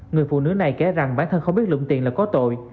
người phụ nữ này kể rằng bản thân không biết lụng tiền là có tội